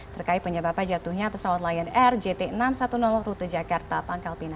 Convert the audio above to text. terkait penyebab jatuhnya pesawat lion air jt enam ratus sepuluh rute jakarta pangkal pinang